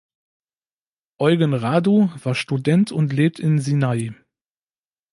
Eugen Radu war Student und lebt in Sinaia.